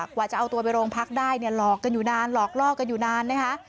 กว่าจะเอาตัวไปโรงพักได้เนี่ยหลอกกันอยู่นานหลอกล่อกันอยู่นานนะคะ